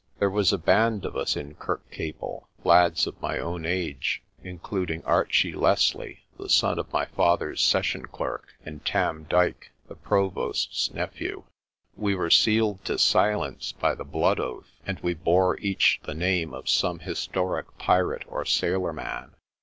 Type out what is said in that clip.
There was a band of us in Kirkcaple, lads of my own age, including Archie Leslie, the son of my f ather's session clerk, and Tarn Dyke, the provost's nephew. We were sealed to silence by the blood oath, and we bore each the name of some historic pirate or sailorman.